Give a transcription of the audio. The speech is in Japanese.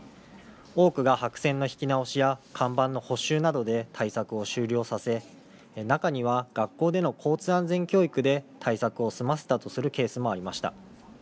多くが白線の引き直しや看板の補修などで対策を終了させ、中には学校での交通安全教育で対策を済ませたとするケースもありました。